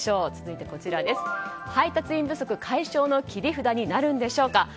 続いては配達員不足解消の切り札になるんでしょうか。